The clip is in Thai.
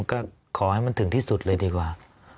ก็ขอให้มันถึงที่สุดเลยดีกว่า